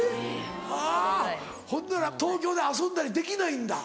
はぁほんなら東京で遊んだりできないんだ。